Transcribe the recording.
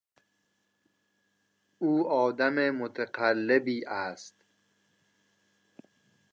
او آدم متقلبی است.